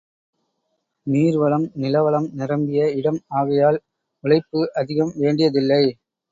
நீர்வளம், நிலவளம் நிரம்பிய இடம் ஆகையால் உழைப்பு அதிகம் வேண்டியதில்லை.